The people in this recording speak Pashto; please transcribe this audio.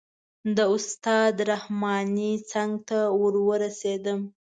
د استاد رحماني څنګ ته ور ورسېدم.